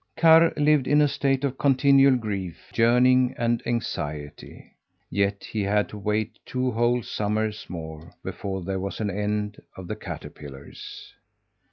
Karr lived in a state of continual grief, yearning, and anxiety. Yet he had to wait two whole summers more before there was an end of the caterpillars!